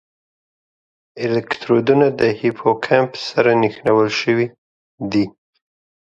الکترودونه د هیپوکمپس سره نښلول شوي دي.